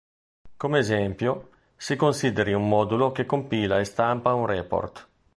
Come esempio, si consideri un modulo che compila e stampa un report.